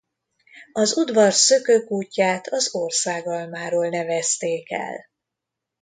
Az udvar szökőkútját az Országalmáról nevezték el.